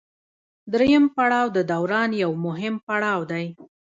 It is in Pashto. دریم پړاو د دوران یو مهم پړاو دی